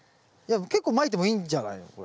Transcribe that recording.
いや結構まいてもいいんじゃないの？